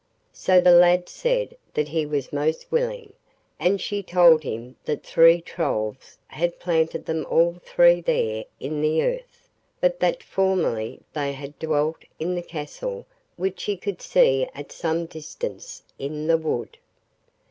So the lad said that he was most willing, and she told him that three Trolls had planted them all three there in the earth, but that formerly they had dwelt in the castle which he could see at some distance in the wood.